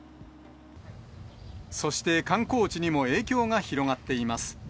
そして観光地にも影響が広がっています。